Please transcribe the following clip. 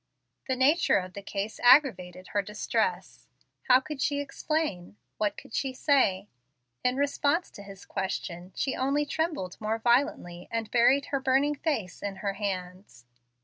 The nature of the case aggravated her distress. How could she explain? What could she say? In response to his question she only trembled more violently and buried her burning face in her hands.